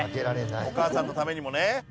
お母さんのためにもね。